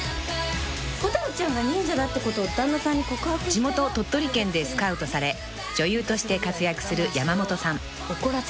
［地元鳥取県でスカウトされ女優として活躍する山本さん］